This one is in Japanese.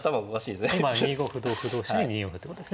２五歩同歩同飛車で２四歩ってことですね。